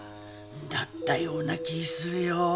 だったような気ぃするよ。